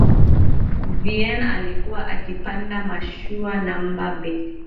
vinnie alikuwa akipanda mashua namba mbili